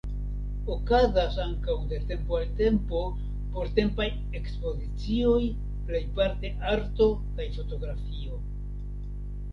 Okazas ankaŭ de tempo al tempo portempaj ekspozicioj, plejparte arto kaj fotografio.